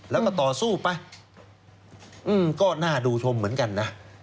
แล้วก็ต่อสู้ไปก็น่าดูชมเหมือนกันนะ